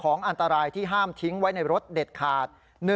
ของอันตรายที่ห้ามทิ้งไว้ในรถเด็ดขาด